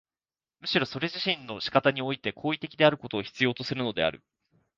むしろそれ自身の仕方において行為的であることを必要とするのである。